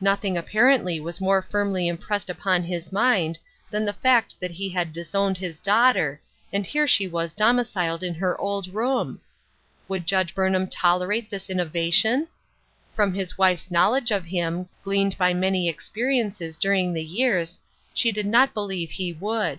Nothing apparently was more firmly impressed upon his mind than the fact that he had disowned his daughter, and here she was domiciled in her old room ! Would Judge Burn ham tolerate this innovation ? From his wife's knowledge of him, gleaned by many experi ences during the years, she did not believe he would.